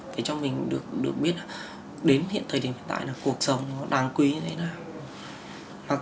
thế cho mình được biết là đến hiện thời điểm hiện tại là cuộc sống nó đáng quý như thế nào